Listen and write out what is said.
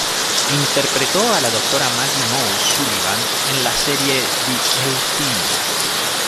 Interpretó a la doctora Maggie "Mo" Sullivan en la serie "The A-Team".